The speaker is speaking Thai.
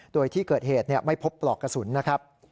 โดยที่เกิดเหตุไม่พบปลอกกระสุนนะครับ